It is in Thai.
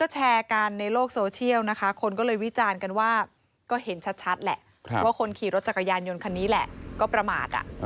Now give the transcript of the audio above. แต่ยานยนต์คันนี้แหละก็ประมาทอ่ะ